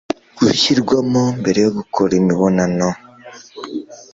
gashyirwamo mbere yo gukora imibonano